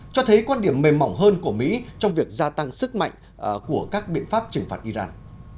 cho thấy quan điểm mềm mỏng hơn của mỹ trong việc gia tăng sức mạnh của các biện pháp trừng phạt iran